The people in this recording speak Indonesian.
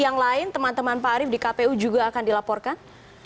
yang lain teman teman pak arief di kpu juga akan dilaporkan